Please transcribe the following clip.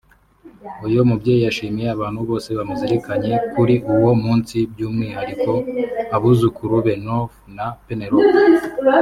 uyu mubyeyi yashimiye abantu bose bamuzirikanye kuri uwo munsi by’umwihariko abuzukuru be North na Penelope